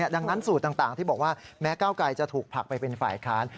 ดังนั้นสูตรต่างที่บอกว่าแม้เก้าไกรจะถูกผลักไปเป็นฝ่ายค้าน